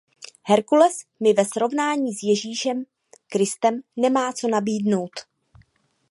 Herkules mi ve srovnání s Ježíšem Kristem nemá co nabídnout.